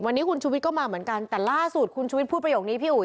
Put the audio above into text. วันนี้คุณชุวิตก็มาเหมือนกันแต่ล่าสุดคุณชุวิตพูดประโยคนี้พี่อุ๋